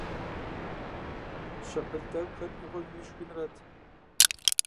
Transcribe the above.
Щыхьэл тӀэкӀу хэт мыгъуэм имышхынрэт!